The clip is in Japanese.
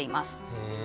へえ。